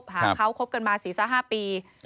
หาเขาคบกันมา๔๕ปี